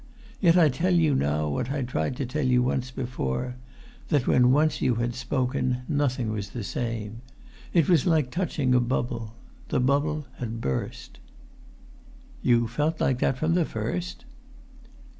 Yet I tell you now, what I tried to tell you once before, that when once you had spoken nothing was the same. It was like touching a bubble. The bubble had burst." "You felt like that from the first?"